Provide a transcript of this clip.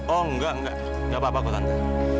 oh enggak enggak gak apa apa bu tante